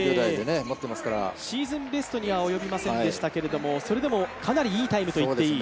シーズンベストには及びませんでしたけど、かなりいいタイムと言っていい。